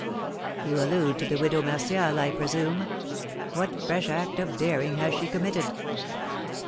"You allude to the Widow Martial, I presume; what fresh act of daring has she committed?"